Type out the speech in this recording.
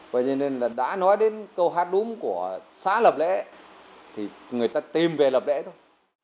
vậy cho nên là đã nói đến câu hát đúng của xã lập lễ thì người ta tìm về lập lễ thôi